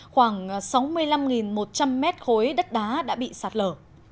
khoảng sáu mươi năm một trăm linh mét khối đất đá đã bị sạt lở